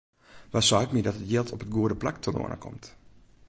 Wa seit my dat it jild op it goede plak telâne komt?